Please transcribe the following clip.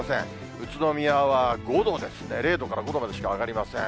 宇都宮は５度ですね、０度から５度までしか上がりません。